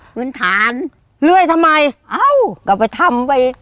พื้นฐานเรื่อยทำไมเอ้าก็ไปทำไป